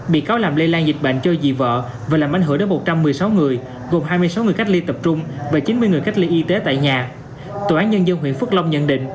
bị cáo làm lây lan dịch bệnh cho dì vợ và làm ánh hưởng đến một trăm một mươi sáu người